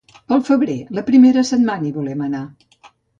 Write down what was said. Pel febrer, la primera setmana hi volem anar.